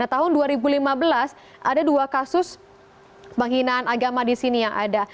tahun dua ribu lima belas ada dua kasus penghinaan agama di sini yang ada